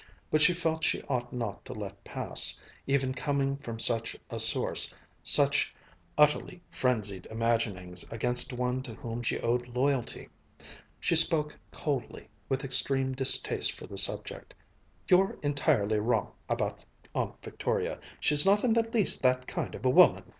But she felt she ought not to let pass, even coming from such a source, such utterly frenzied imaginings against one to whom she owed loyalty. She spoke coldly, with extreme distaste for the subject: "You're entirely wrong about Aunt Victoria. She's not in the least that kind of a woman."